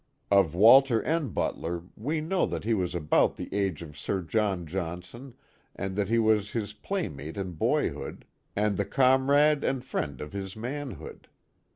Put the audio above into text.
Of Walter N. Butler, we know that he was about the age ol Sir John Johnson and that he was his playmate in boyhood, and the comrade and friend of his manhood.